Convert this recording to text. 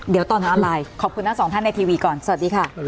เดี๋ยวตอนนั้นออนไลน์ขอบคุณทั้งสองท่านในทีวีก่อนสวัสดีค่ะ